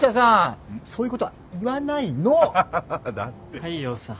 大陽さん。